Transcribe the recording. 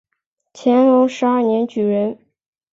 乾隆十二年举人。